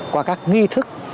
qua các nghi thức